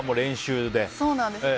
そうなんです。